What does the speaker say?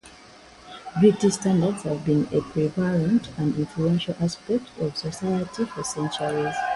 Beauty standards have been a prevalent and influential aspect of society for centuries.